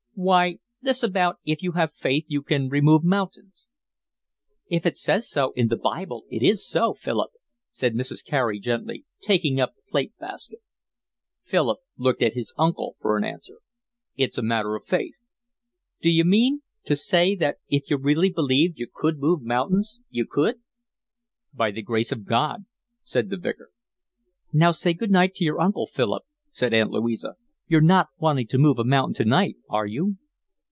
"Why, this about if you have faith you can remove mountains." "If it says so in the Bible it is so, Philip," said Mrs. Carey gently, taking up the plate basket. Philip looked at his uncle for an answer. "It's a matter of faith." "D'you mean to say that if you really believed you could move mountains you could?" "By the grace of God," said the Vicar. "Now, say good night to your uncle, Philip," said Aunt Louisa. "You're not wanting to move a mountain tonight, are you?"